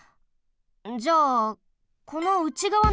じゃあこのうちがわの穴はなに？